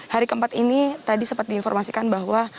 hari keempat ini tadi sempat diinformasikan bahwa